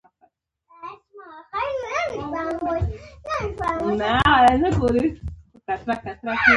هغې د آرمان تر سیوري لاندې د مینې کتاب ولوست.